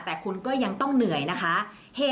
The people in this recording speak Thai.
แต่คุณก็ยังต้องเหนื่อยนะคะ